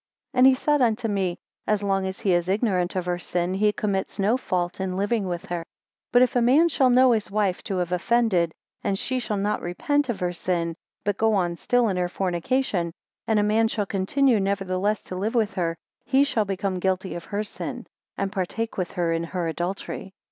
5 And he said unto me, As long as he is ignorant of her sin, he commits no fault in living with her; but if a man shall know his wife to, have offended, and she shall not repent of her sin, but go on still in her fornication, and a man shall continue nevertheless to live with her, he shall become guilty of her sin, and partake with her in her adultery.